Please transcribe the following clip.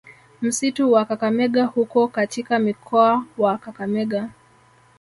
Msitu wa Kakamega huko katika mkoa wa Kakamega